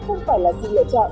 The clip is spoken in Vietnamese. không phải là sự lựa chọn